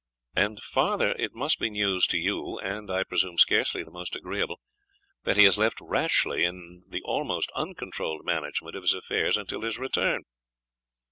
"And farther, it must be news to you, and I presume scarcely the most agreeable, that he has left Rashleigh in the almost uncontrolled management of his affairs until his return."